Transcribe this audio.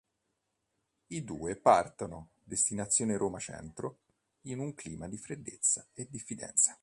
I due partono, destinazione Roma centro, in un clima di freddezza e diffidenza.